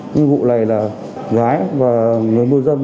như vụ này là gái và người mua dâm